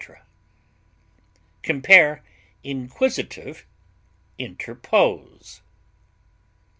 Compare INQUISITIVE; INTERPOSE.